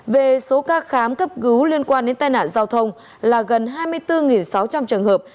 về số ca khám cấp cứu liên quan đến tai nạn giao thông là gần hai mươi bốn sáu trăm linh trường hợp